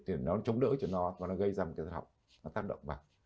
để nó chống đỡ cho nó và nó gây ra một chất rát học nó tác động vào